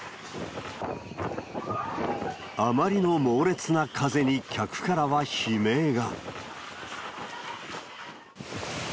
あまりの猛烈な風に、客からは悲鳴が。